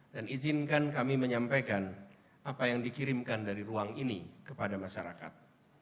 dan izinkan kami menyampaikan apa yang dikirimkan dari ruang ini kepada masyarakat